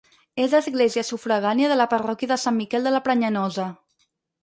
És església sufragània de la parròquia de Sant Miquel de la Prenyanosa.